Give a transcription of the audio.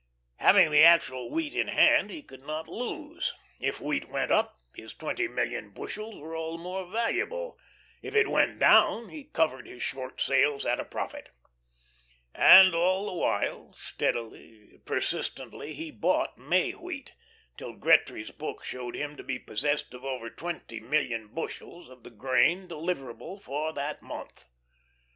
Having the actual wheat in hand he could not lose. If wheat went up, his twenty million bushels were all the more valuable; if it went down, he covered his short sales at a profit. And all the while, steadily, persistently, he bought May wheat, till Gretry's book showed him to be possessed of over twenty million bushels of the grain deliverable for that month.